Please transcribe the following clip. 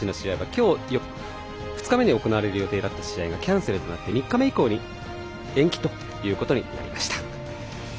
今日２日目に行われる予定だった試合が延期となって３日目以降に延期となりました。